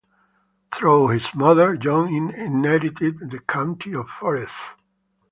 Through his mother, John inherited the County of Forez.